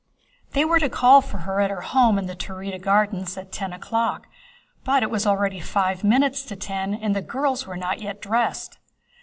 They were to call for her at her house in the Taurida Gardens at ten o'clock, but it was already five minutes to ten, and the girls were not yet dressed.